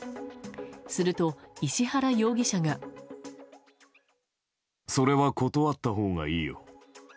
すると、石原容疑者が。それは断ったほうがいいよ。